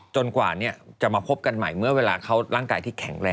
กว่าจะมาพบกันใหม่เมื่อเวลาเขาร่างกายที่แข็งแรง